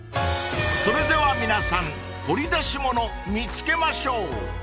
［それでは皆さん掘り出し物見つけましょう］